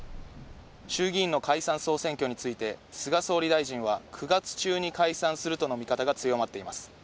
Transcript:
衆議院の解散・総選挙について、菅総理大臣は９月中に解散するとの見方が強まっています。